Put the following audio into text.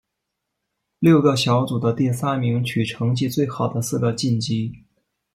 六个小组的第三名取成绩最好的四个晋级。